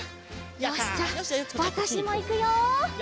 よしじゃあわたしもいくよ！